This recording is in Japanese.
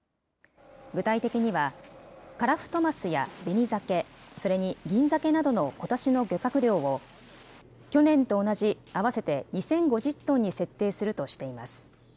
具体的には、カラフトマスやベニザケ、それにギンザケなどのことしの漁獲量を、去年と同じ、合わせて２０５０トンに設定するとしています。